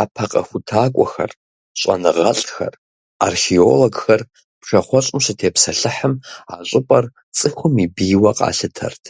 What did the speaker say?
Япэ къэхутакӏуэхэр, щӏэныгъэлӏхэр, археологхэр пшахъуэщӏым щытепсэлъыхьым, а щӏыпӏэр цӏыхум и бийуэ къалъытэрт.